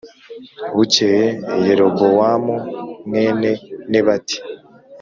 Bukeye Yerobowamu mwene Nebati